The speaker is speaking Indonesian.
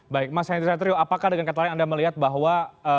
baik mas henry satrio apakah dengan kata lain anda melihat bahwa